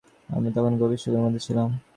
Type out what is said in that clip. আমি তখন গভীর শোকের মধ্যে ছিলাম।